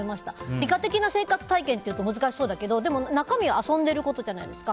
理科的な生活体験っていうと難しそうだけど中身は遊んでることじゃないですか。